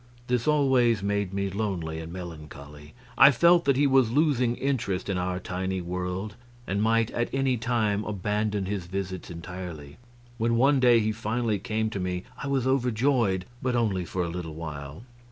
This always made me lonely and melancholy. I felt that he was losing interest in our tiny world and might at any time abandon his visits entirely. When one day he finally came to me I was overjoyed, but only for a little while.